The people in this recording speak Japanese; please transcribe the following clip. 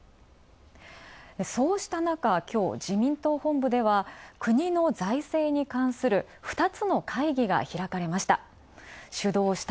そうしたなか今日自民党本部では国の財政に関する２つの会議が開かれました。